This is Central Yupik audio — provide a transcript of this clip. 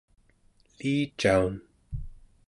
elicaun